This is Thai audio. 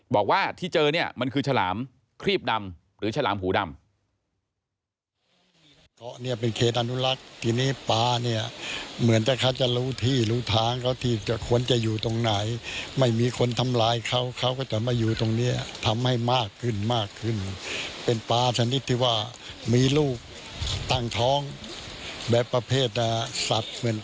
บอกว่าที่เจอเนี่ยมันคือฉลามครีบดำหรือฉลามหูดำ